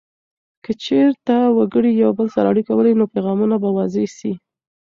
که چیرته وګړي یو بل سره اړیکه ولري، نو پیغامونه به واضح سي.